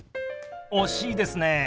惜しいですね。